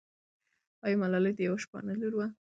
آیا ملالۍ د یوه شپانه لور وه؟